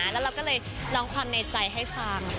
แล้วเราก็เลยร้องความในใจให้ฟัง